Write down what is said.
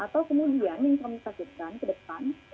atau kemudian yang kami takutkan ke depan